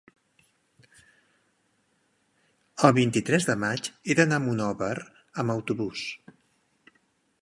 El vint-i-tres de maig he d'anar a Monòver amb autobús.